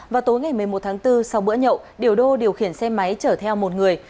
vào tối ngày một mươi một tháng bốn sau bữa nhậu điểu đô điều khiển xe máy chở theo một người